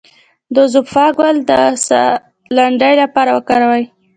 د زوفا ګل د ساه لنډۍ لپاره وکاروئ